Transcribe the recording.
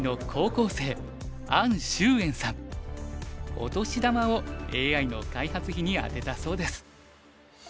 お年玉をＡＩの開発費にあてたそうです。